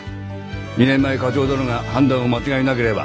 ２年前課長殿が判断を間違えなければ。